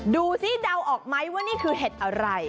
ดูสิเดาออกไหมว่านี่คือเห็ดอะไร